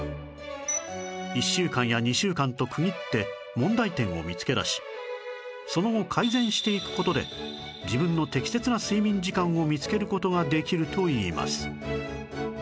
１週間や２週間と区切って問題点を見つけ出しその後改善していく事で自分の適切な睡眠時間を見つける事ができるといいます